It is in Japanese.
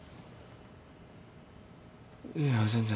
いや全然。